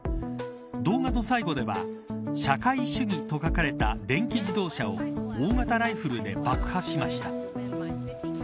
動画の最後では社会主義と書かれた電気自動車を大型ライフルで爆破しました。